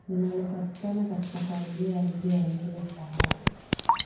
Linalopatikana katika familia ya lugha ya Nilo Sahara